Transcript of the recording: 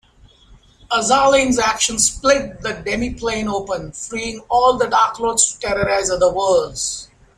Azalin's actions split the Demiplane open, freeing all the Darklords to terrorize other worlds.